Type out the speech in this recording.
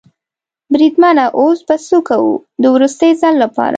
بریدمنه اوس به څه کوو؟ د وروستي ځل لپاره.